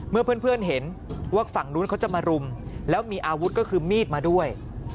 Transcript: เมื่อเพื่อนเห็นว่าฝั่งนู้นเขาจะมารุมแล้วมีอาวุธก็คือมีดมาด้วย